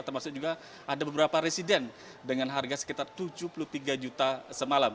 termasuk juga ada beberapa resident dengan harga sekitar tujuh puluh tiga juta semalam